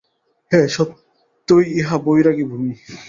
হ্যাঁ, সত্যই ইহা বৈরাগ্য-ভূমি।